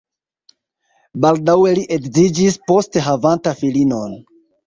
Baldaŭe li edziĝis, poste havanta filinon.